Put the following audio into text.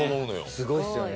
すごいっすよね。